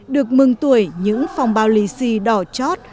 được mừng tuổi những phòng bao lì xì đỏ chót